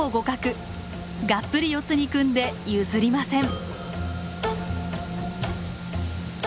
がっぷり四つに組んで譲りません。